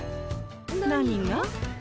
何が？